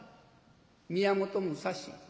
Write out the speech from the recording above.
「宮本武蔵」。